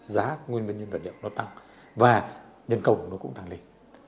giá nguyên nhân vật nhập nó tăng và nhân công của nó cũng tăng lên